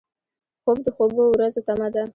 خوب د خوبو ورځو تمه ده